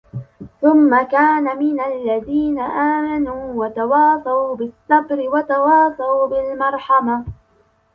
ثم كان من الذين آمنوا وتواصوا بالصبر وتواصوا بالمرحمة